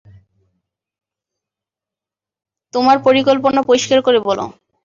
তোমার পরিকল্পনা পরিষ্কার করে বল।